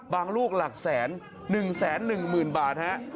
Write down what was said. บางลูกหลักแสน๑๑๑๐๐๐๐บาทฮะ